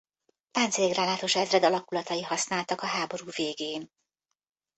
Páncélgránátos-ezred alakulatai használtak a háború végén.